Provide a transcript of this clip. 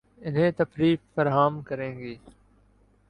انھیں تفریح فراہم کریں گی